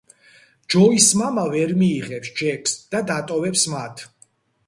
ჯოის მამა ვერ მიიღებს ჯეკს და დატოვებს მათ.